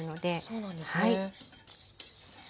そうなんですね。